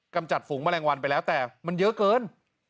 กำจัดฝูงแมลงวันไปแล้วแต่มันเยอะเกิน